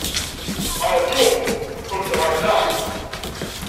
Ṛju. Qqel-d ɣer da.